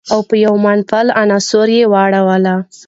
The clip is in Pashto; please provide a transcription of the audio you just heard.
او په يوه منفعل عنصر يې واړوله.